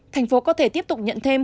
thành phố có thể tiếp tục nhận thêm